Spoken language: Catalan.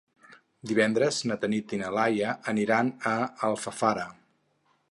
Divendres na Tanit i na Laia aniran a Alfafara.